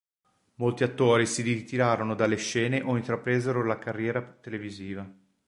Molti attori si ritirarono dalle scene o intrapresero la carriera televisiva.